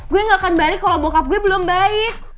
gue gak akan balik kalau bokap gue belum baik